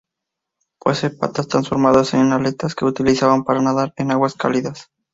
Posee patas transformadas en aletas que utilizaba para nadar en aguas cálidas.